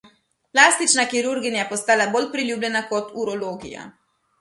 Plastična kirurgija je postala bolj priljubljena kot urologija.